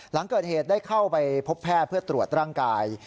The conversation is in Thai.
หลังเกิดเหตุได้เข้าไปพบแพทย์เพื่อตรวจร่างกาย